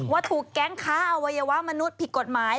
ว่าถูกแก๊งค้าอวัยวะมนุษย์ผิดกฎหมาย